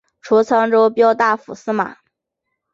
除沧州骠大府司马。